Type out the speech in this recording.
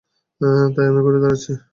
তাই আমি ঘুরে দাঁড়াচ্ছি।